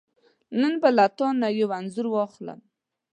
نن به له تانه یو انځور واخلم .